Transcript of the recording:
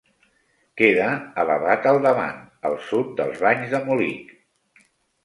Queda elevat al davant, al sud, dels Banys de Molig.